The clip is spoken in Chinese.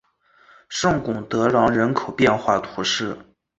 圣贡德朗人口变化图示